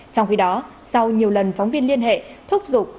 trong khi đó sau nhiều lần phóng viên liên hệ thúc giục